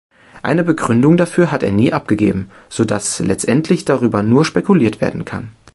Eine Begründung dafür hat er nie abgegeben, sodass letztendlich darüber nur spekuliert werden kann.